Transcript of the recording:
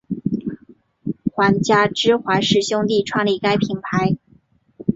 皇家芝华士兄弟创立该品牌。